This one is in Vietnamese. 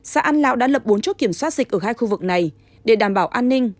xã an lão đã lập bốn chốt kiểm soát dịch ở hai khu vực này để đảm bảo an ninh